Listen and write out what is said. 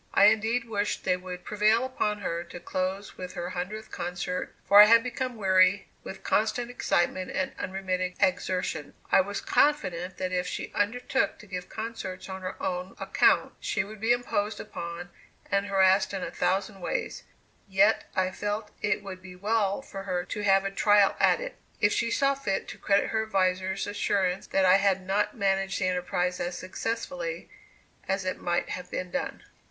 I indeed wished they would prevail upon her to close with her hundredth concert, for I had become weary with constant excitement and unremitting exertions. I was confident that if she undertook to give concerts on her own account, she would be imposed upon and harassed in a thousand ways; yet I felt it would be well for her to have a trial at it, if she saw fit to credit her advisers' assurance that I had not managed the enterprise as successfully as it might have been done.